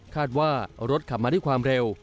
คาดว่ารถขับมาด้วยความเร็ว